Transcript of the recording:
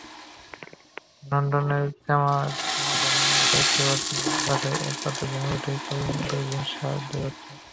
লন্ডনের ক্যামডেন এলাকার সুরত মিয়ার বাসায় একরাতে জমে ওঠে করিম-দূরবীণ শাহ দ্বৈরথ।